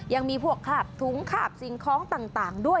ยังมีพวกคาบถุงขาบสิ่งของต่างด้วย